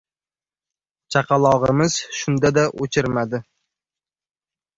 Chaqalog‘imiz shunda-da o‘chirmadi.